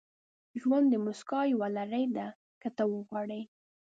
• ژوند د موسکاو یوه لړۍ ده، که ته وغواړې.